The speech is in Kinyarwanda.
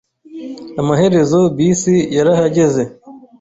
Amaherezo, bisi yarahagaze.